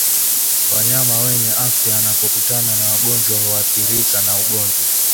Wanyama wenye afya wanapokutana na wagonjwa huathirika na ugonjwa